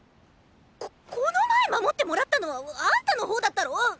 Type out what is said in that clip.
ここの前守ってもらったのはアンタの方だったろ！